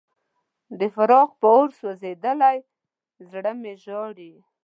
د فراق په اور سوځېدلی زړه مې ژاړي.